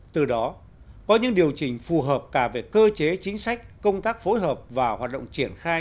từ đó có những điều chỉnh phù hợp cả về cơ chế chính sách công tác phối hợp và hoạt động triển khai